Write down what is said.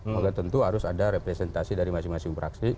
maka tentu harus ada representasi dari masing masing fraksi